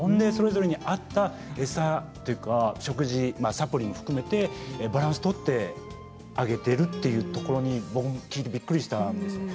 それぞれに合った餌というか食事、サプリも含めてバランスを取ってあげているというところに僕も聞いてびっくりしたんです。